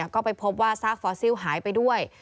ก็ไปพบว่าซากฟอสซิลหายไปด้วย